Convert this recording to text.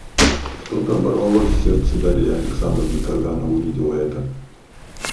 Что-то оборвалось в сердце Дарьи Александровны, когда она увидала это.